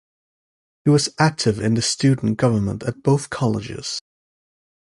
He was active in the student government at both colleges.